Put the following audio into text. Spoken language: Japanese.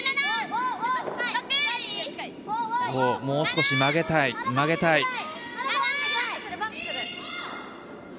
もう少し曲げたい。